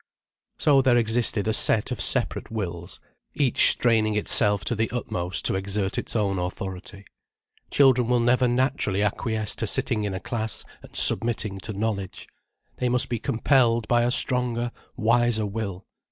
So there existed a set of separate wills, each straining itself to the utmost to exert its own authority. Children will never naturally acquiesce to sitting in a class and submitting to knowledge. They must be compelled by a stronger, wiser will.